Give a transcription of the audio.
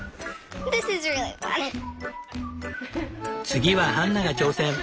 次はハンナが挑戦。